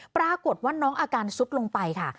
ปรากฏว่าน้องอาการซุดลงไปค่ะ